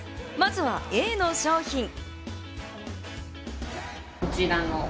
まずはＡの商品。